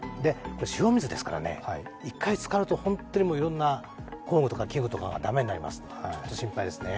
潮水ですからね、１回つかると本当にいろいろな工具とか機具とかが駄目になりますのでちょっと心配ですね。